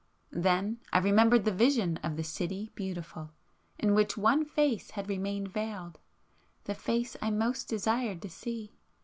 —then I remembered the vision of the "City Beautiful," in which one face had remained veiled,—the face I most desired to see!